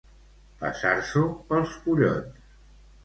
Passar-s'ho pels collons.